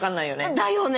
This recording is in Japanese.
だよね！